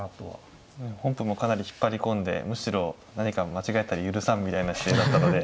本譜もかなり引っ張り込んでむしろ何か間違えたら許さんみたいな姿勢だったので。